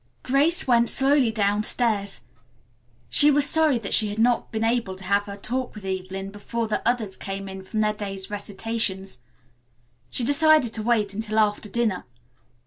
Grace went slowly downstairs. She was sorry that she had not been able to have her talk with Evelyn before the others came in from their day's recitations. She decided to wait until after dinner.